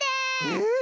えっ？